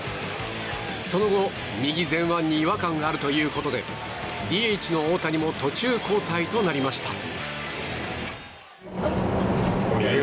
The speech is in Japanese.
その後、右前腕に違和感があるということでＤＨの大谷も途中交代となりました。